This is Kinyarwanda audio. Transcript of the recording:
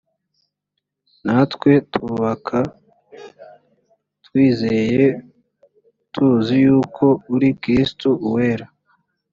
natwe tukaba twizeye tuzi yuko uri kristo uwera